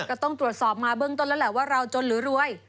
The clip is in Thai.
ก็ต้องตรวจสอบมาเบื้องต้นแล้วแหละว่าเราจนหรือรวย